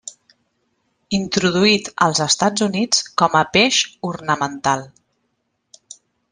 Introduït als Estats Units com a peix ornamental.